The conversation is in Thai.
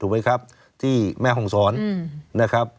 ถูกไหมครับที่แม่ห่องซ้อนนะครับ